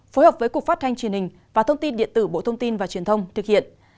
phối hợp với cục phát thanh truyền hình và thông tin điện tử bộ thông tin và truyền thông thực hiện